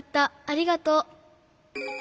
ありがとう。